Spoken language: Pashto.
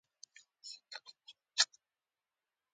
د ننه کور کې مه ګرځه که پښې دې لمدې وي.